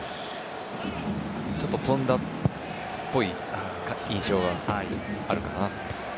ちょっと飛んだっぽい印象があるかなと。